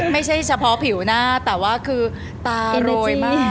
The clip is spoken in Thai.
ไม่ใช่เฉพาะผิวหน้าแต่ว่าคือตาโรยมาก